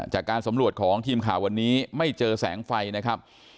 จากการสำรวจของทีมข่าววันนี้ไม่เจอแสงไฟนะครับ